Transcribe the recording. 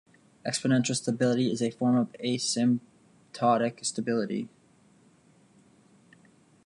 Exponential stability is a form of asymptotic stability.